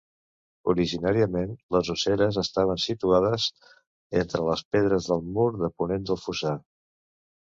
Originàriament les osseres estaven situades entre les pedres del mur de ponent del fossar.